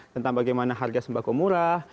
tentang bagaimana harga sembako murah